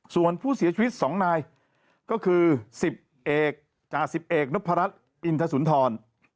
ส่วนผู้เสียชีวิต๒นายก็คือ๑๐จ่าสิบเอกนพรัชอินทสุนทร